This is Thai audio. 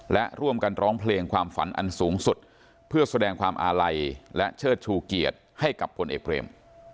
และร่วมกันร้องเพลงความฝันอันสูงสุดเพื่อแสดงความอาลัยและเชิดชูเกียรติให้กับพลเอกเบรม